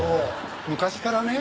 昔からね